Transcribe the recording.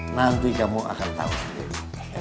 nanti kamu akan tau sendiri